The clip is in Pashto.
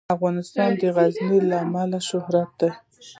افغانستان د غزني له امله شهرت لري.